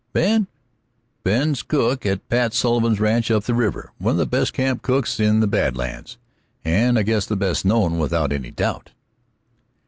"Ben? Ben's cook on Pat Sullivan's ranch up the river; one of the best camp cooks in the Bad Lands, and I guess the best known, without any doubt."